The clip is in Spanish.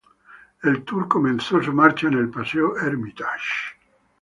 El tour comenzó su marcha en el Paseo Hermitage.